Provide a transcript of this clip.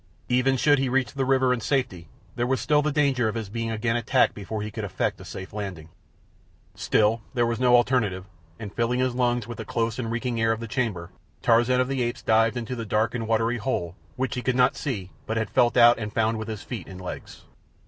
Even should he reach the river in safety, there was still the danger of his being again attacked before he could effect a safe landing. Still there was no alternative, and, filling his lungs with the close and reeking air of the chamber, Tarzan of the Apes dived into the dark and watery hole which he could not see but had felt out and found with his feet and legs.